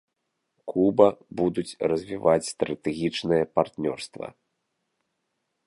Куба будуць развіваць стратэгічнае партнёрства.